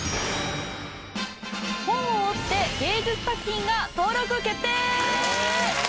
「本を折って芸術作品」が登録決定！